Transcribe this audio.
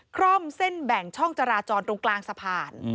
คล่อมเส้นแบ่งช่องจราจรตรงกลางสะพาน